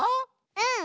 うん。